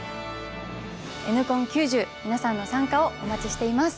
「Ｎコン９０」皆さんの参加をお待ちしています！